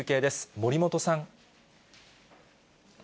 森本さん。